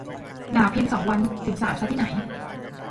หนาวเพียงสองวัน ถึงสามซะที่ไหน